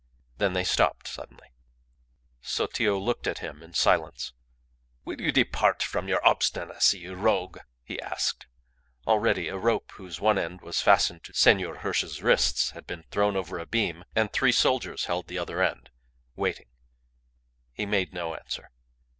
Then they stopped suddenly. Sotillo looked at him in silence. "Will you depart from your obstinacy, you rogue?" he asked. Already a rope, whose one end was fastened to Senor Hirsch's wrists, had been thrown over a beam, and three soldiers held the other end, waiting. He made no answer.